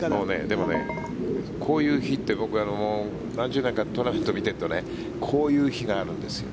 でも、こういう日って僕、何十年かトーナメント見ているとこういう日があるんですよ。